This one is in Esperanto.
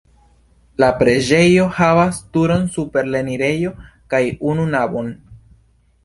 La preĝejo havas turon super la enirejo kaj unu navon.